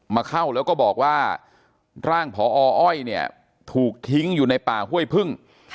มาเข้าแล้วก็บอกว่าร่างพออ้อยเนี่ยถูกทิ้งอยู่ในป่าห้วยพึ่ง